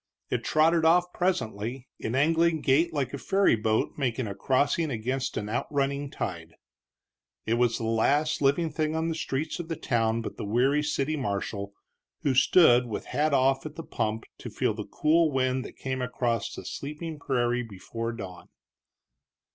It trotted off presently, in angling gait like a ferry boat making a crossing against an outrunning tide. It was the last living thing on the streets of the town but the weary city marshal, who stood with hat off at the pump to feel the cool wind that came across the sleeping prairie before the dawn.